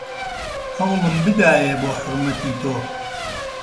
هەوڵم بدایێ بۆ حورمەتی تۆ